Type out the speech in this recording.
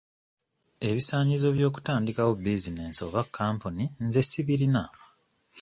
Ebisaanyizo by'okutandikawo bizinensi oba kampuni nze sibirina.